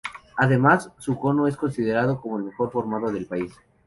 Además, su cono es considerado como el mejor formado del país.